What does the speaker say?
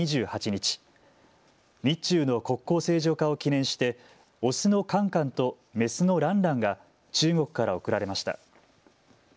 日中の国交正常化を記念してオスのカンカンとメスのランランが中国から贈られました。